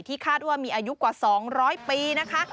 คาดว่ามีอายุกว่า๒๐๐ปีนะคะ